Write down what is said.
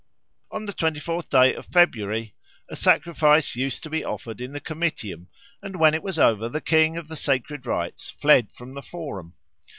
On the twenty fourth day of February a sacrifice used to be offered in the Comitium, and when it was over the King of the Sacred Rites fled from the Forum.